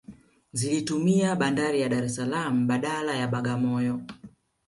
Zilitumia bandari ya Dar es Salaam badala ya Bagamoyo